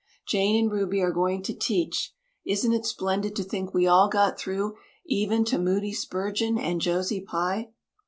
Jane and Ruby are going to teach. Isn't it splendid to think we all got through even to Moody Spurgeon and Josie Pye?"